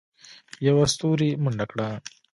یوه ستوري منډه کړه.